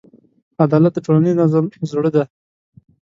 عدالت د ټولنیز نظم زړه دی.